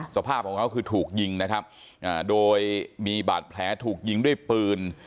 สภาพของเขาคือถูกยิงนะครับโดยมีบาดแผลถูกยิงด้วยปืน